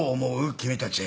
君たち。